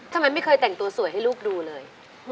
ทำไมไม่เคยแต่งตัวสวยให้ลูกดูเลย